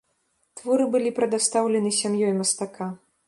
Творы былі прадастаўлены сям'ёй мастака.